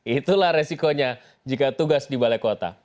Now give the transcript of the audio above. itulah resikonya jika tugas di balai kota